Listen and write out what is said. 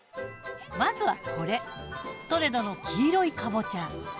まずはこれトレドの黄色いかぼちゃ！